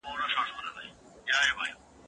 زه اجازه لرم چي ږغ واورم،